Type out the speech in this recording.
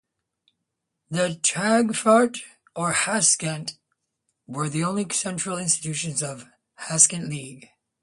The "Tagfahrt" or "Hansetag" were the only central institutions of the Hanseatic League.